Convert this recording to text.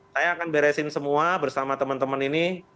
saya akan beresin semua bersama teman teman ini